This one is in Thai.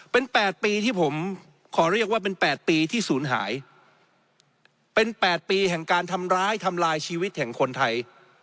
เป็น๘ปีที่ผมขอเรียกว่าเป็น๘ปีที่ศูนย์หายเป็น๘ปีแห่งการทำร้ายทำลายชีวิตแห่งคนไทย